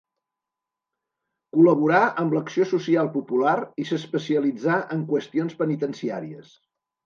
Col·laborà amb l'Acció Social Popular i s'especialitzà en qüestions penitenciàries.